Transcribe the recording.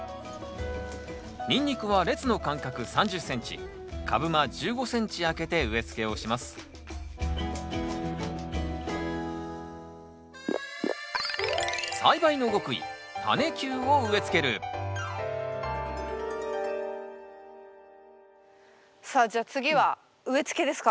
ニンニクは列の間隔３０ｃｍ株間１５ｃｍ空けて植え付けをしますさあじゃあ次は植え付けですか？